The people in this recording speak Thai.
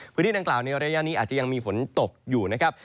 พื้นที่ดังกล่าวในระยะนี้อาจจะยังมีฝนตกอยู่นะครับ